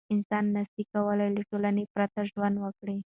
انسان نسي کولای له ټولنې پرته ژوند وکړي.